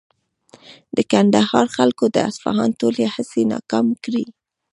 د کندهار خلکو د اصفهان ټولې هڅې ناکامې کړې.